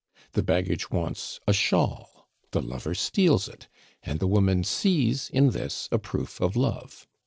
The baggage wants a shawl, the lover steals it, and the woman sees in this a proof of love.